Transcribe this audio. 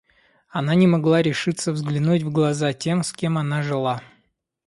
Она не могла решиться взглянуть в глаза тем, с кем она жила.